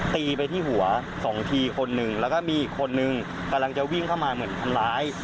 ตีไปที่หัวสองทีคนหนึ่งแล้วก็มีอีกคนนึงกำลังจะวิ่งเข้ามาเหมือนทำร้าย